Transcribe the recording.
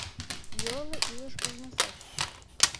Йорло илыш ожнысек